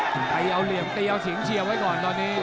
ใครเอาเหลี่ยมตีเอาสิงเชียวไว้ก่อนตอนนี้